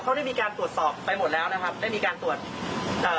เขาได้มีการตรวจสอบไปหมดแล้วนะครับได้มีการตรวจเอ่อ